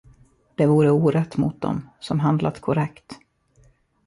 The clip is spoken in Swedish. Det vore orätt mot dem, som handlat korrekt.